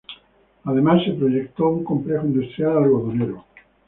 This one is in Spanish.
Además, fue proyectado un complejo industrial algodonero.